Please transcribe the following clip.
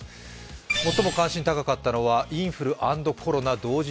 最も関心が高かったのはインフル＆コロナ同時